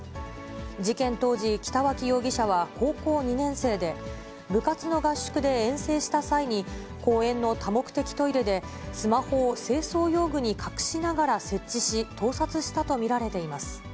事件当時、北脇容疑者は高校２年生で、部活の合宿で遠征した際に、公園の多目的トイレでスマホを清掃用具に隠しながら設置し、盗撮したと見られています。